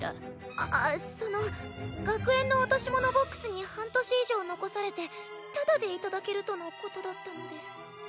あっその学園の落とし物ボックスに半年以上残されてタダで頂けるとのことだったので。